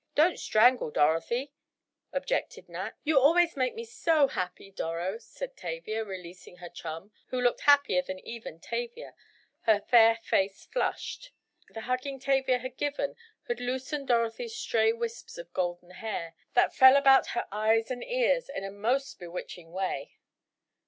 "Don't strangle Dorothy," objected Nat. "You always make me so happy, Doro," said Tavia, releasing her chum, who looked happier even than Tavia, her fair face flushed. The hugging Tavia had given had loosened Dorothy's stray wisps of golden hair, that fell about her eyes and ears in a most bewitching way.